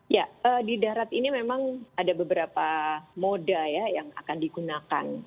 ya di darat ini memang ada beberapa moda ya yang akan digunakan